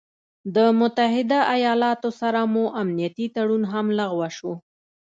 د متحده ايالاتو سره مو امنيتي تړون هم لغوه شو